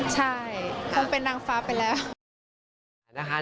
ใช่คงเป็นนางฟ้าไปแล้ว